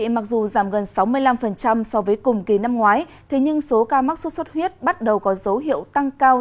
mặc dù giảm gần sáu mươi năm so với cùng kỳ năm ngoái thế nhưng số ca mắc sốt xuất huyết bắt đầu có dấu hiệu tăng cao